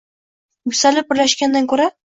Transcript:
Yuksalib birlashgandan ko‘ra